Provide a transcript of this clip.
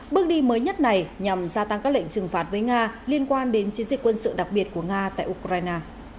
bước đi mới nhất này nhằm gia tăng các lệnh trừng phạt với nga liên quan đến chiến dịch quân sự đặc biệt của nga tại ukraine